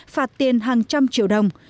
phạt tiền hàng trăm triệu đồng